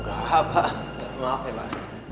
enggak pak maaf ya pak